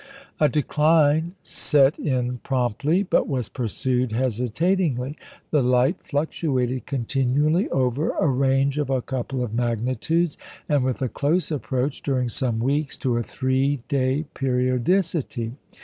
A decline set in promptly, but was pursued hesitatingly. The light fluctuated continually over a range of a couple of magnitudes, and with a close approach, during some weeks, to a three day periodicity.